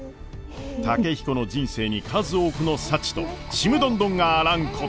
健彦の人生に数多くの幸とちむどんどんがあらんことを！